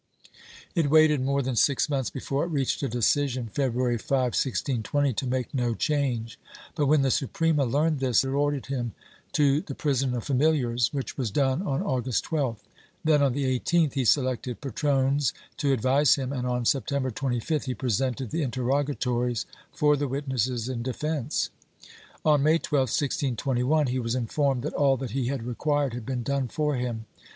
It waited more than six months before it reached a decision, February 5, 1620, to make no change but, when the Suprema learned this, it ordered him to the prison of familiars, which w^as done on August 12th. Then, on the 18th, he selected patrones to advise him and, on September 25th, he presented the interrogatories for the witnesses in defence. On May 12, 1621, he was informed that all that he had required had been done for him.